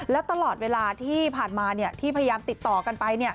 แล้วตลอดเวลาที่ผ่านมาที่พยายามติดต่อกันไป